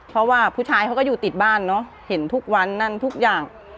เพราะว่าผู้ชายเขาก็อยู่ติดบ้านเนอะเห็นทุกวันนั่นทุกอย่าง